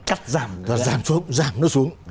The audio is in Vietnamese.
cắt giảm giảm xuống giảm nó xuống